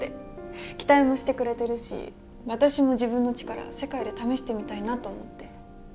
期待もしてくれてるし私も自分の力世界で試してみたいなと思って。